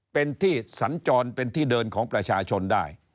เป็นที่สัญจรเป็นที่เดินของประชาชนได้